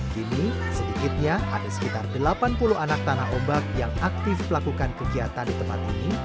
kini sedikitnya ada sekitar delapan puluh anak tanah ombak yang aktif melakukan kegiatan di tempat ini